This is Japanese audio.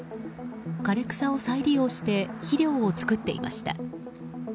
枯れ草を再利用して肥料を作っていました。